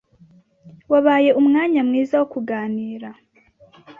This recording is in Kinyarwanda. Wabaye umwanya mwiza wo kuganira